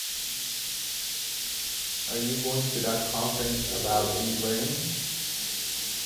Are you going to that conference about Deep Learning?